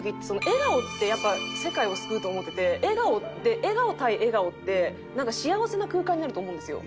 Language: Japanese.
笑顔ってやっぱ世界を救うと思ってて笑顔って笑顔対笑顔ってなんか幸せな空間になると思うんですよ。